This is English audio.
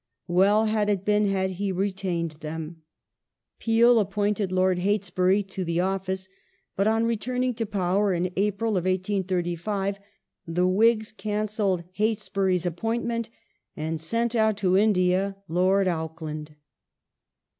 Well had it been had he retained them. Peel appointed Lord Heytesbury to the office, but on returning to power, in April, 1835, the Whigs can celled Heytesbury's appointment and sent out to India Lord Auck land.